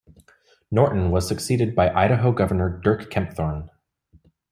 Norton was succeeded by Idaho governor Dirk Kempthorne.